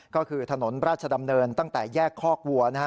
ก็คือถนนราชดำเนินตั้งแต่แยกคอกวัวนะฮะ